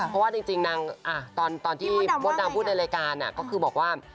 เพราะว่าจริงนางตอนที่มดดำพูดในรายการก็คือบอกว่า